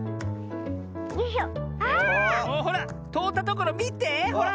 ほらとおったところみてほら。